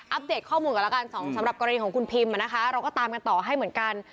เดตข้อมูลกันแล้วกันสำหรับกรณีของคุณพิมนะคะเราก็ตามกันต่อให้เหมือนกัน